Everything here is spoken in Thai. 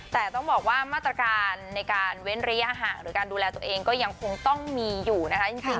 แต่ต้องบอกว่ามาตรการในการเว้นระยะห่างหรือการดูแลตัวเองก็ยังคงต้องมีอยู่นะคะจริง